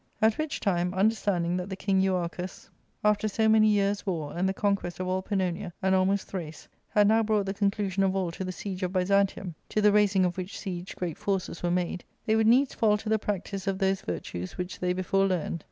" At which time, understanding that the king Euarchus, ARCADlA. ^Book IL 151 Ifter so many years' war, and the conquest of all Pannonia, and almost Thrace, had now brought the conclusion of all to •:he siege of Byzantium, to the raising of which siege great forces were made, they would needs fall to the practice of those virtues which they before learned.